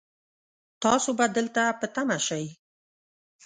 تاسو به دلته په تمه شئ